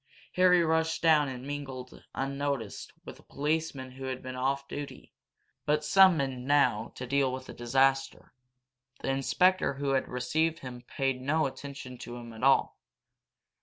Harry rushed down, and mingled, unnoticed, with the policemen who had been off duty, but summoned now to deal with this disaster. The inspector who had received him paid no attention to him at all.